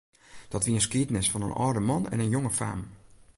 Dat wie in skiednis fan in âlde man en in jonge faam.